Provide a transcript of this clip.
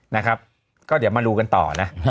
นะครับก็เดี๋ยวมาดูกันต่อนะ